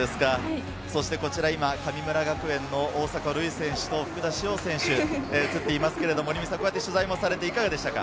こちら今、神村学園の大迫塁選手と福田師王選手が映っていますが、こうやって取材をされていかがでしたか？